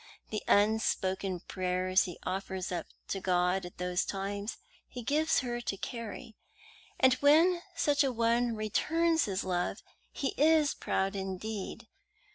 The unspoken prayers he offers up to God at those times he gives to her to carry. And when such a one returns his love, he is proud indeed.